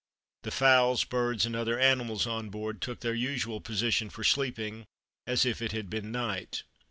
The fowls, birds, and other animals on board took their usual position for sleeping, as if it had been night."